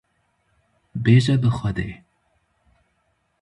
Bêje bi xwedê